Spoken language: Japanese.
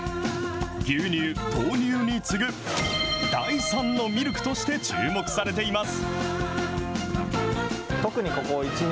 牛乳、豆乳に次ぐ第３のミルクとして注目されています。